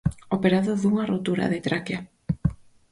Operado dunha rotura de traquea.